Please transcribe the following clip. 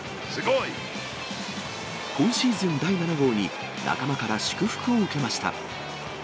今シーズン第７号に、仲間から祝福を受けました。